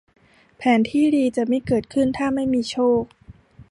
แผนที่ดีจะไม่เกิดขึ้นถ้าไม่มีโชค